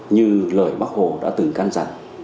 như lời bác hồ đã từng can rằng